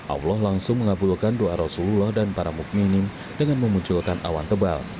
allah langsung mengabulkan doa rasulullah dan para mukminin ⁇ dengan memunculkan awan tebal